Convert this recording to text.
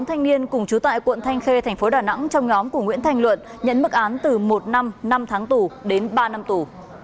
bốn thanh niên cùng chú tại quận thanh khê thành phố đà nẵng trong nhóm của nguyễn thành luận nhấn mức án từ một năm năm tháng tù đến ba năm tù